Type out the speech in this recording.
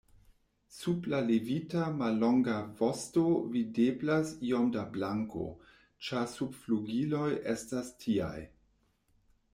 Sub la levita mallonga vosto videblas iom da blanko, ĉar subflugiloj estas tiaj.